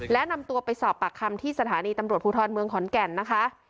และนำตัวไปสอบปากคำที่สถานีตำรวจภูทรเมืองขอนแก่นนะคะ